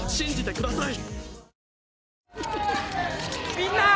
みんなー！